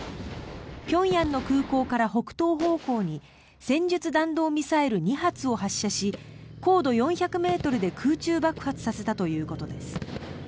平壌の空港から北東方向に戦術弾道ミサイル２発を発射し高度４００ｍで空中爆発させたということです。